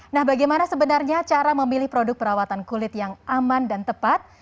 nah bagaimana sebenarnya cara memilih produk perawatan kulit yang aman dan tepat